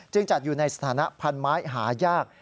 จัดอยู่ในสถานะพันไม้หายาก